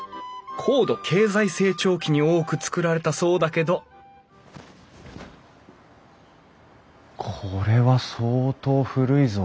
高度経済成長期に多く造られたそうだけどこれは相当古いぞ。